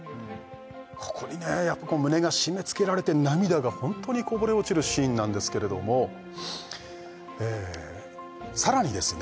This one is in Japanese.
ここにねやっぱ胸が締めつけられて涙がホントにこぼれ落ちるシーンなんですけれども更にですね